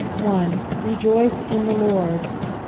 ^^ RfjoUe in. the Lord."